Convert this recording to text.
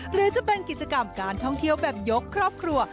หรือจะเป็นกิจกรรมการท่องเที่ยวแบบยกครอบครัว